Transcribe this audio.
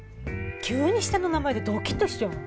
急に下の名前でドキッとしちゃう。